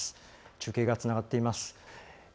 中継がつながっています。